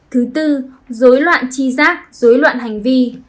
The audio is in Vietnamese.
thứ tư dối loạn chi giác dối loạn hành vi